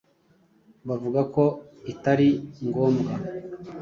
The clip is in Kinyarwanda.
bavuga ko itari ngombwa.